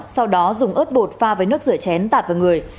sau đó dùng ớt bột pha với nước rửa chén tạt vào người